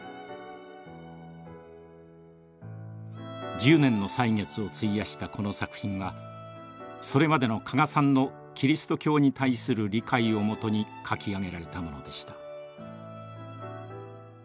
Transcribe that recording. １０年の歳月を費やしたこの作品はそれまでの加賀さんのキリスト教に対する理解をもとに書き上げられたものでした。